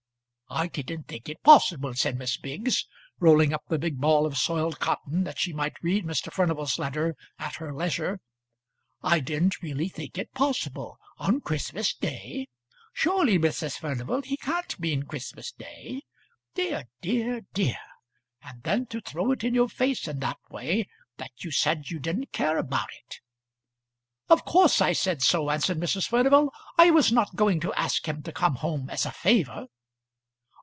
"I didn't think it possible," said Miss Biggs, rolling up the big ball of soiled cotton, that she might read Mr. Furnival's letter at her leisure. "I didn't really think it possible on Christmas day! Surely, Mrs. Furnival, he can't mean Christmas day? Dear, dear, dear! and then to throw it in your face in that way that you said you didn't care about it." "Of course I said so," answered Mrs. Furnival. "I was not going to ask him to come home as a favour."